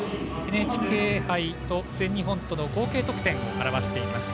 ＮＨＫ杯と全日本との合計得点を表しています。